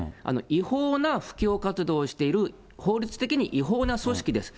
違法な布教活動をしている、法律的に違法な組織です。